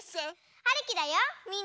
はるきだよみんなげんき？